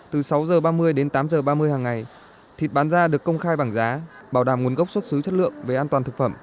từ sáu h ba mươi đến tám h ba mươi hàng ngày thịt bán ra được công khai bảng giá bảo đảm nguồn gốc xuất xứ chất lượng về an toàn thực phẩm